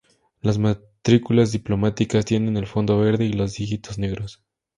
Las matrículas diplomáticas tienen el fondo verde y los dígitos negros.